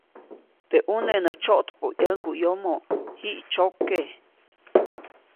Teʼ ʼuneʼ nä tsyoʼtpäʼu ʼyäŋguʼyomo, jiʼtsyoke.